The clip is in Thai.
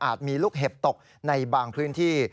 มีลูกเห็บตกในบางพื้นที่